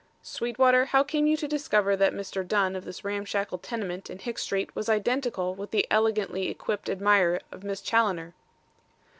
"Sweetwater, how came you to discover that Mr. Dunn of this ramshackle tenement in Hicks Street was identical with the elegantly equipped admirer of Miss Challoner?"